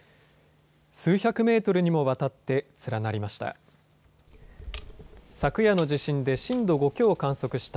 数百メートルにもわたって連なりました。